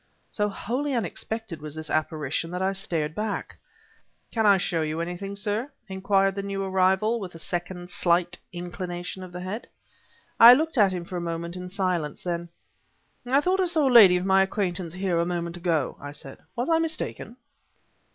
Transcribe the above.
So wholly unexpected was this apparition that I started back. "Can I show you anything, sir?" inquired the new arrival, with a second slight inclination of the head. I looked at him for a moment in silence. Then: "I thought I saw a lady of my acquaintance here a moment ago," I said. "Was I mistaken?"